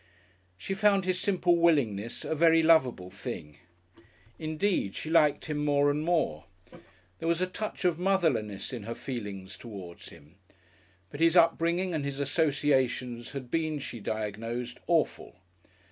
She found his simple willingness a very lovable thing. Indeed she liked him more and more. There was a touch of motherliness in her feelings towards him. But his upbringing and his associations had been, she diagnosed, "awful."